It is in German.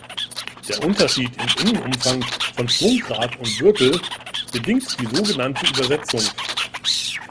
Der Unterschied im Innen-Umfang von Schwungrad und Wirtel bedingt die sogenannte Übersetzung.